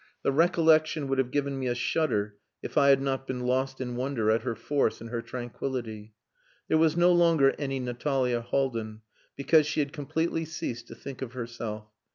The recollection would have given me a shudder if I had not been lost in wonder at her force and her tranquillity. There was no longer any Natalia Haldin, because she had completely ceased to think of herself.